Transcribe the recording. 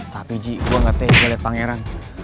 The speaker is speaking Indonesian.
tapi ji gue gak tega liat pangeran